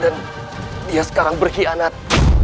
dan dia sekarang berkhianat